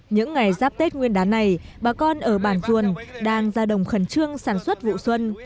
những ngày giáp tết nguyên đán này bà con ở bản duồn đang ra đồng khẩn trương sản xuất vụ xuân